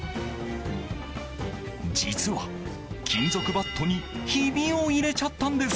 実は、金属バットにひびを入れちゃったんです。